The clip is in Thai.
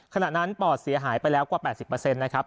ขณะนั้นปอดเสียหายไปแล้วกว่า๘๐นะครับ